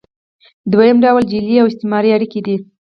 دویم ډول جعلي او استثماري اړیکې دي.